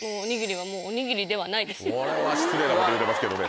これは失礼なこと言うてますけどね。